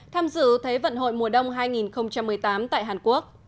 tham dự thế vận hội mùa đông hai nghìn một mươi tám tại hàn quốc